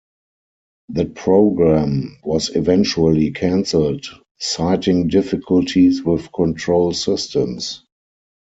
That program was eventually cancelled, citing difficulties with control systems.